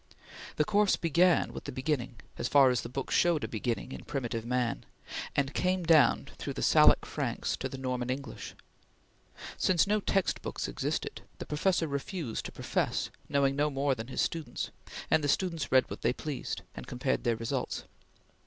The course began with the beginning, as far as the books showed a beginning in primitive man, and came down through the Salic Franks to the Norman English. Since no textbooks existed, the professor refused to profess, knowing no more than his students, and the students read what they pleased and compared their results.